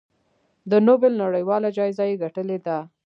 د نوبل نړیواله جایزه یې ګټلې ده.